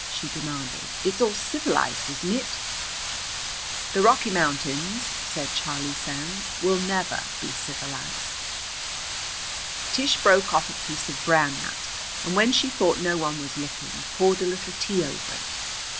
she demanded. "It's all civilized, isn't it?" "The Rocky Mountains," said Charlie Sands, "will never be civilized." Tish broke off a piece of Bran Nut, and when she thought no one was looking poured a little tea over it.